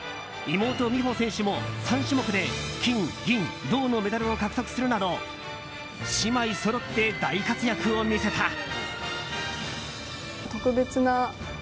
妹・美帆選手も３種目で金、銀、銅のメダルを獲得するなど姉妹そろって大活躍を見せた。